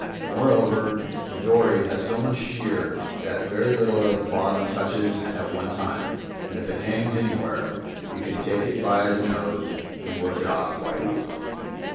Moreover, the dory has so much shear that very little of the bottom touches at one time; and if it hangs anywhere, you can take it by the nose and work it off quite easily.